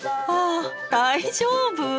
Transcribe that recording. ああ大丈夫？